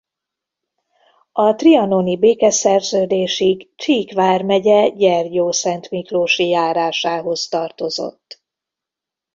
A trianoni békeszerződésig Csík vármegye Gyergyószentmiklósi járásához tartozott.